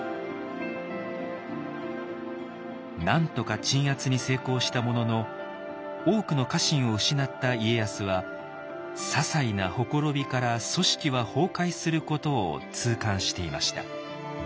なんとか鎮圧に成功したものの多くの家臣を失った家康はささいなほころびから組織は崩壊することを痛感していました。